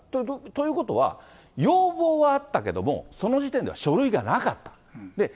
ということは、要望はあったけども、その時点では書類がなかった。